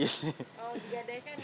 oh digadaikan ya